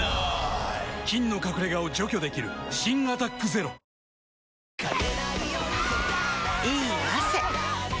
菌の隠れ家を除去できる新「アタックＺＥＲＯ」いい汗。